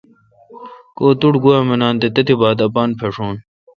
کو تہ گوا منان تہ تبتھہ اپان پھݭون۔